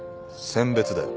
餞別だよ。